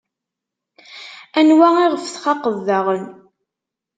Anwa iɣef txaqeḍ daɣen?